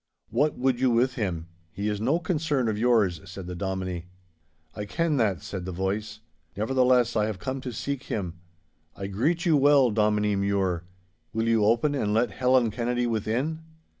'What would you with him? He is no concern of yours,' said the Dominie. 'I ken that,' said the voice. 'Nevertheless, I have come to seek him. I greet you well, Dominie Mure. Will you open and let Helen Kennedy within?